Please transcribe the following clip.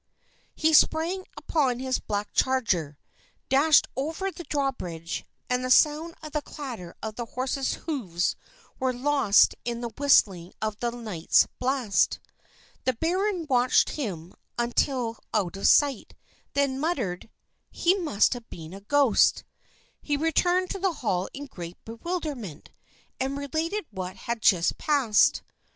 He sprang upon his black charger, dashed over the drawbridge, and the sound of the clatter of his horse's hoofs was lost in the whistling of the night's blast. The baron watched him until out of sight, then muttered, "He must have been a ghost!" He returned to the hall in great bewilderment, and related what had just passed.